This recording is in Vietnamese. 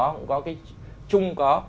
cũng có cái chung có